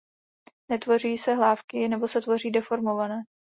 Netvoří se hlávky nebo se tvoří deformované.